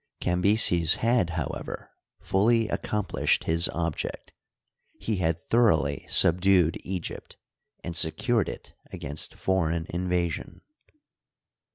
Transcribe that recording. Cambyses had, however, fully accom plished his object : he had thoroughly subdued Egypt, and secured it against foreign invasion.